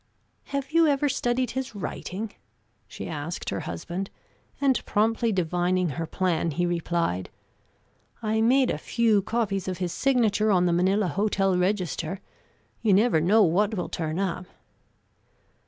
"Have you ever studied his writing?" she asked her husband; and, promptly divining her plan, he replied, "I made a few copies of his signature on the Manila hotel register. You never know what will turn up."